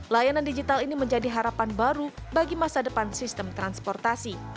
layanan digital ini menjadi harapan baru bagi masa depan sistem transportasi